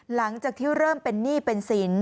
หลังจากที่เริ่มเป็นหนี้เป็นสิน